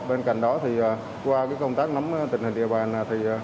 bên cạnh đó qua công tác nắm tình hình địa bàn